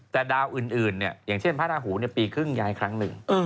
แต่ดาวอื่นอย่างเช่นพระราหูปีครึ่งย้ายครั้งหนึ่ง